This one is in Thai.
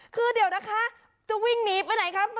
คือเดี๋ยวนะคะจะวิ่งหนีไปไหนครับ